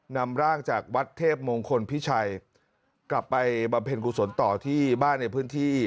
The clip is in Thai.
นำร่างจากวัดเทพมงคลพิชัยกลับไปบำเพ็ญกุศลต่อที่บ้านในพื้นที่